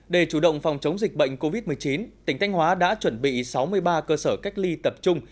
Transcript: để chủ động phòng chống dịch bệnh covid một mươi chín tỉnh thanh hóa đã chuẩn bị sáu mươi ba cơ sở cách ly tập trung